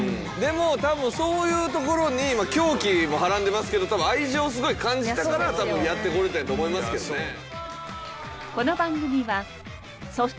でも多分そういうところに狂気もはらんでますけど多分愛情をすごい感じたからやってこれたんやと思いますけどね。